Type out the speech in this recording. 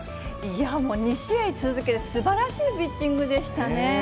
いや、もう２試合続けて、すばらしいピッチングでしたね。